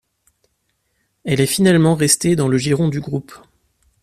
Elle est finalement restée dans le giron du groupe.